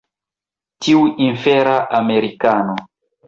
Tiu infera Amerikano!